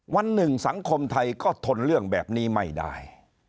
วันหนึ่งสังคมไทยก็ทนเรื่องแบบนี้ไม่ได้